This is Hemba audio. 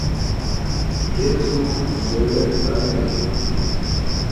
Yesu guswele balenge.